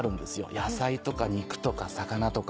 野菜とか肉とか魚とか。